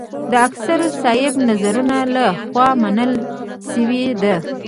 د اکثرو صاحب نظرانو له خوا منل شوې ده.